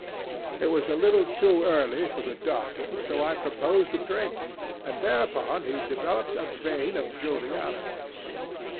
It was a little too early for the doctor, so I proposed a drink, and thereupon he developed a vein of joviality.